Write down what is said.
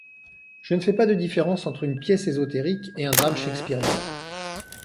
Je ne fais pas de différence entre une pièce ésotérique et un drame shakespearien.